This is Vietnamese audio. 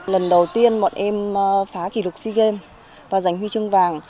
lần đầu tiên bọn em phá kỷ lục sea games và giành huy chương vàng